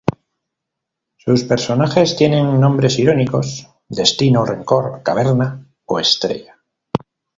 Sus personajes tienen nombres irónicos: Destino, Rencor, Caverna o Estrella.